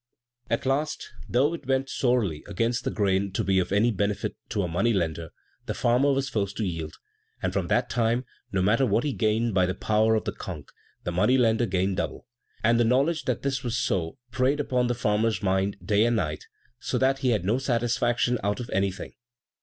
At last, though it went sorely against the grain to be of any benefit to a money lender, the farmer was forced to yield, and from that time, no matter what he gained by the power of the conch, the money lender gained double. And the knowledge that this was so preyed upon the farmer's mind day and night, so that he had no satisfaction out of anything.